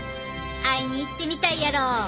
会いに行ってみたいやろ？